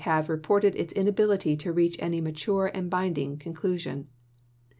have reported its inability to reach any matnre and binding conclusion.